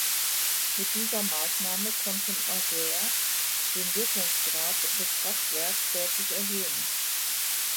Mit dieser Maßnahme konnte Marguerre den Wirkungsgrad des Kraftwerks deutlich erhöhen.